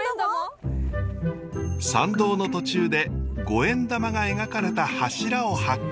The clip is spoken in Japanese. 参道の途中で五円玉が描かれた柱を発見。